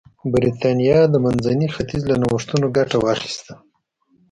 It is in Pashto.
برېټانیا د منځني ختیځ له نوښتونو ګټه واخیسته.